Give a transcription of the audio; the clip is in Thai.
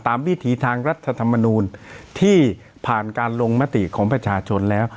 วิถีทางรัฐธรรมนูลที่ผ่านการลงมติของประชาชนแล้ว